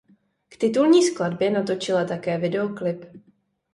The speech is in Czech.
K titulní skladbě natočila také videoklip.